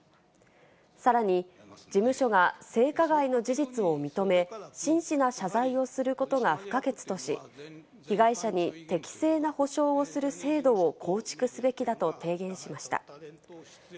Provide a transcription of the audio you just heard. さらに事務所が性加害の事実を認め、真摯な謝罪をすることが不可欠とし、被害者に適正な補償をする制度を構築すべきだと提言しました。